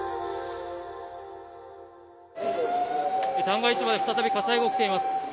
旦過市場で再び火災が起きています。